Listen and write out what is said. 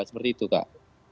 seperti itu kak